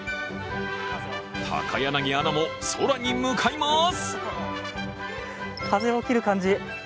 高柳アナも空に向かいます。